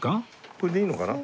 これでいいのかな？